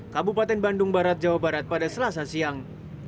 kabupaten bandung barat jawa barat pada selasa siang